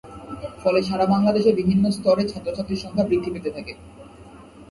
ফলে সারা বাংলাদেশে বিভিন্ন স্তরে ছাত্র-ছাত্রীর সংখ্যা বৃদ্ধি পেতে থাকে।